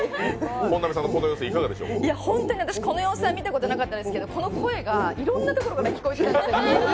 本当に私、この様子は見たことなかったんですけどこの声がいろんなところから聞こえてきてたんです。